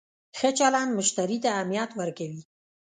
ښه چلند مشتری ته اهمیت ورکوي.